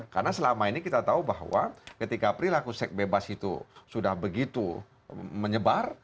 karena selama ini kita tahu bahwa ketika perilaku seks bebas itu sudah begitu menyebar